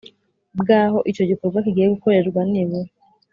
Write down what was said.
Bw aho icyo gikorwa kigiye gukorerwa nibura